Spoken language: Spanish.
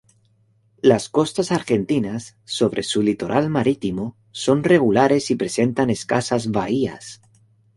Las costas argentinas, sobre su litoral marítimo, son regulares y presentan escasas bahías.